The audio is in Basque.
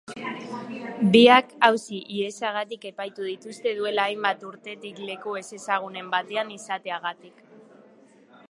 Biak auzi-ihesagatik epaitu dituzte duela hainbat urtetik leku ezezagunen batean izateagatik.